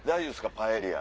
パエリア。